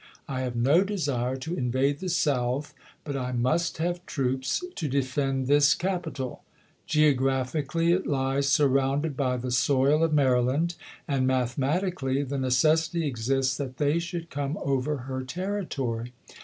I have no desire to invade the South ; but I must have troops to defend this capital. Geographically it lies surrounded by the soil of Mary land ; and mathematically the necessity exists that they should come over her territory.